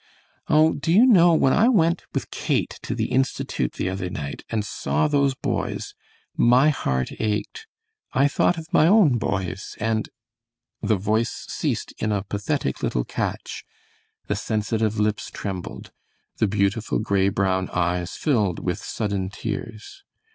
Oh, do you know when I went with Kate to the Institute the other night and saw those boys my heart ached. I thought of my own boys, and " The voice ceased in a pathetic little catch, the sensitive lips trembled, the beautiful gray brown eyes filled with sudden tears.